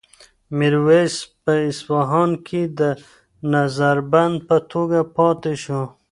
میرویس په اصفهان کې د نظر بند په توګه پاتې شو.